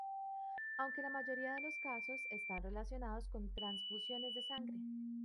Aunque la mayoría de los casos están relacionados con transfusiones de sangre.